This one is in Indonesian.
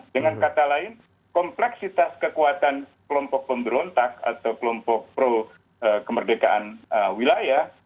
dengan kata lain kompleksitas kekuatan kelompok pemberontak atau kelompok pro kemerdekaan wilayah